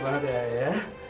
mas makasih banget ya